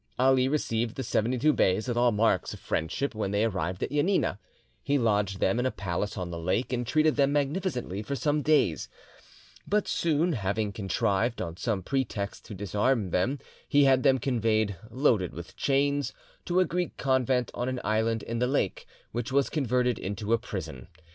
Ali received the seventy two beys with all marks of friendship when they arrived at Janina. He lodged them in a palace on the lake, and treated them magnificently for some days. But soon, having contrived on some pretext to disarm them, he had them conveyed, loaded with chains, to a Greek convent on an island in the lake, which was converted into a prison.